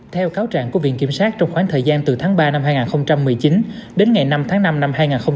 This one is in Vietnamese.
theo cáo trạng của viện kiểm sát trong khoảng thời gian từ tháng ba năm hai nghìn một mươi chín đến ngày năm tháng năm năm hai nghìn hai mươi